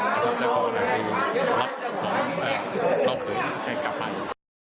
แล้วเจ้าหน้าที่รับน้องผืนก็ให้กลับไป